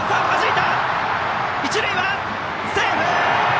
一塁セーフ！